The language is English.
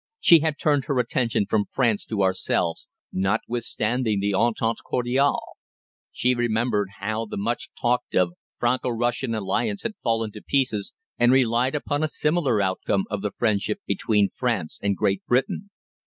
She had turned her attention from France to ourselves, notwithstanding the entente cordiale. She remembered how the much talked of Franco Russian alliance had fallen to pieces, and relied upon a similar outcome of the friendship between France and Great Britain.